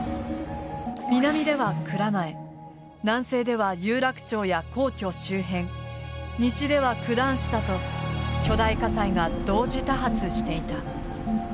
南では蔵前南西では有楽町や皇居周辺西では九段下と巨大火災が同時多発していた。